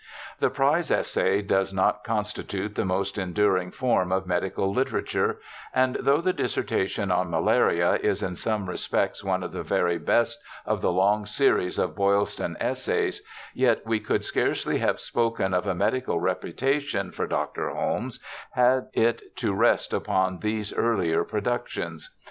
The prize essay does not constitute the most enduring form of medical literature, and though the dissertation on Malaria is in some respects one of the very best of the long series of Boylston essays, yet we could scarcely have spoken ot a medical reputation for Dr. Holmes had it to rest upon these earlier productions.